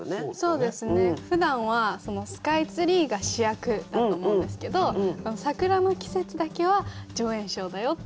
そうですね。ふだんはスカイツリーが主役だと思うんですけど桜の季節だけは助演賞だよっていう。